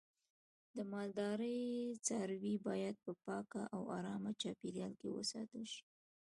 د مالدارۍ څاروی باید په پاکه او آرامه چاپیریال کې وساتل شي.